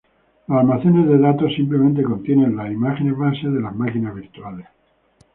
Los almacenes de datos simplemente contienen las imágenes base de las máquinas virtuales.